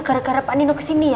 gara gara pak nino kesini ya